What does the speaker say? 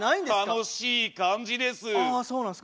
楽しい感じです。